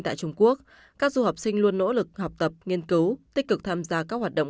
tại trung quốc các du học sinh luôn nỗ lực học tập nghiên cứu tích cực tham gia các hoạt động